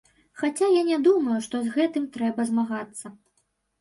Хаця я не думаю, што з гэтым трэба змагацца.